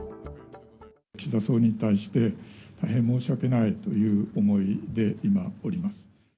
岸田総理に対して、大変申し訳ないという思いで、今、おります。